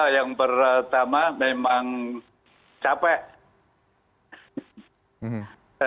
yang pertama memang capek